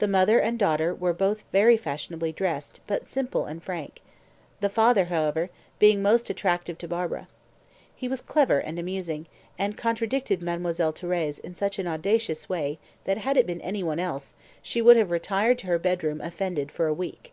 The mother and daughter were both very fashionably dressed, but simple and frank, the father, however, being most attractive to Barbara. He was clever and amusing, and contradicted Mademoiselle Thérèse in such an audacious way, that had it been any one else, she would have retired to her bedroom offended for a week.